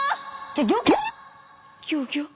ギョギョッ。